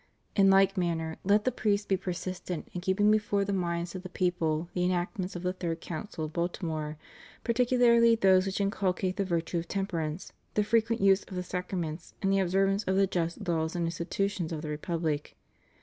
In Uke manner, let the priests be persistent in keeping before the minds of the people the enactments of the Third Council of Baltimore, particularly those which inculcate the virtue of temperance, the frequent use of the sacraments and the observance of the just laws and institutions of the Republic.